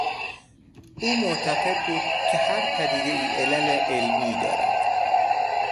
او معتقد بود که هر پدیدهای علل علمی دارد.